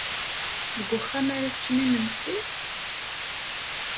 Deg uxxam ara teččem imensi?